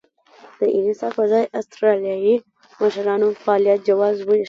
د انحصار پر ځای اسټرالیایي مشرانو فعالیت جواز وېشه.